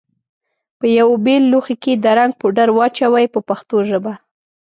په یوه بېل لوښي کې د رنګ پوډر واچوئ په پښتو ژبه.